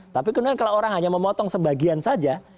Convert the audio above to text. tapi kemudian kalau orang hanya memotong sebagian saja